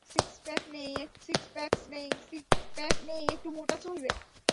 Six pack নেই, একটু মোটা, চলবে?